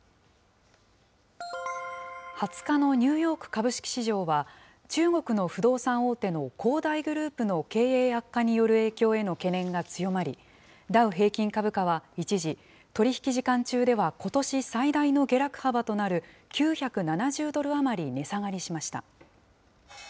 ２０日のニューヨーク株式市場は、中国の不動産大手の恒大グループの経営悪化による影響への懸念が強まり、ダウ平均株価は一時、取り引き時間中ではことし最大の下落幅となる、９７０ドル余り値下がりしました。